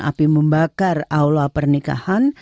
api membakar aula pernikahan